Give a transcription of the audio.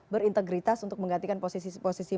berintegritas untuk menggantikan posisi posisi